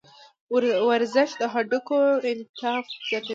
ورزش د هډوکو انعطاف زیاتوي.